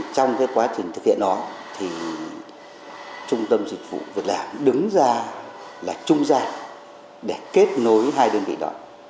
trong quá trình thực hiện đó thì trung tâm dịch vụ việt nam đứng ra là trung giai để kết nối hai đơn vị đó